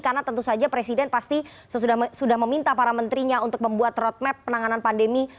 karena tentu saja presiden pasti sudah meminta para menterinya untuk membuat roadmap penanganan pandemi